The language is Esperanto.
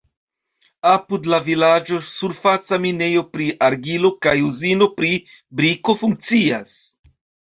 Apud la vilaĝo surfaca minejo pri argilo kaj uzino pri briko funkcias.